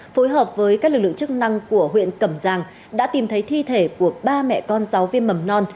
phối hợp với các lực lượng chức năng của huyện cẩm giang đã tìm thấy thi thể của ba mẹ con giáo viên mầm non